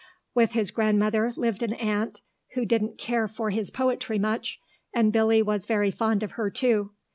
With his grandmother lived an aunt, who didn't care for his poetry much, and Billy was very fond of her too.